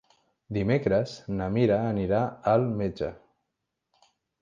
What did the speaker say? Dimecres na Mira anirà al metge.